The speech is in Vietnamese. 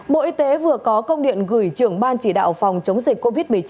bộ y tế vừa có công điện gửi trưởng ban chỉ đạo phòng chống dịch covid một mươi chín